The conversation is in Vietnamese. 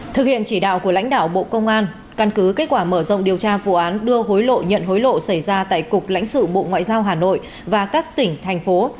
thực hiện chỉ đạo của lãnh đạo bộ công an căn cứ kết quả mở rộng điều tra vụ án đưa hối lộ nhận hối lộ xảy ra tại cục lãnh sự bộ ngoại giao hà nội và các tỉnh thành phố